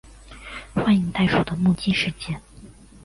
幻影袋鼠的目击事件。